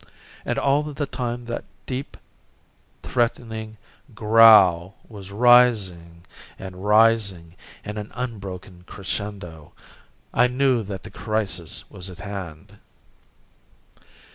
And all the time that deep, threatening growl was rising and rising in an unbroken crescendo. I knew that the crisis was at hand.